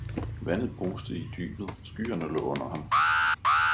Vandet bruste i dybet, skyerne lå under ham.